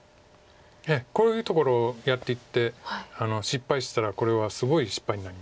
こういうところやっていって失敗したらこれはすごい失敗になりますから。